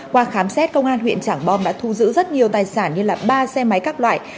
qua khám xét công an huyện trảng bom đã thu giữ rất nhiều tài sản như ba xe máy các loại